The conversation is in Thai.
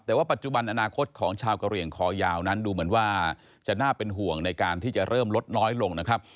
แต่ว่าปัจจุบันอนาคตของชาวกะเหลี่ยงคอยาวนั้นดูเหมือนว่าจะน่าเป็นห่วงในการที่จะเริ่มลดน้อยลงนะครับ